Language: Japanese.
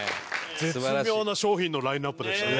絶妙な商品のラインアップでしたね。